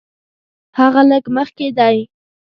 هغه لږ مخکې دی.